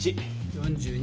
４２。